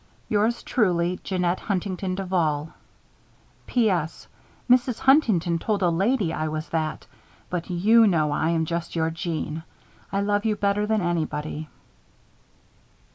Yours truly, JEANNETTE HUNTINGTON DUVAL. P.S. Mrs. Huntington told a lady I was that, but you know I am just your Jeanne. I love you better than anybody.